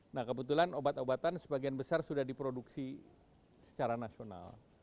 nah kebetulan obat obatan sebagian besar sudah diproduksi secara nasional